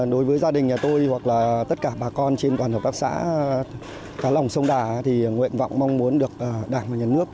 đối với gia đình nhà tôi hoặc là tất cả bà con trên toàn hợp tác xã cá lòng sông đà thì nguyện vọng mong muốn được đảng và nhà nước